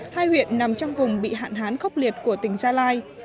hai huyện nằm trong vùng bị hạn hán khốc liệt của tỉnh gia lai